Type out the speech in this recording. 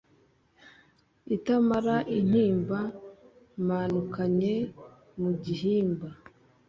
Itamara intimba manukanye mu gihimba